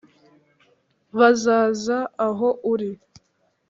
bazaza aho uri